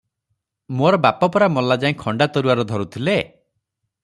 ମୋର ବାପା ପରା ମଲାଯାଏ ଖଣ୍ଡା ତରୁଆର ଧରୁଥିଲେ?"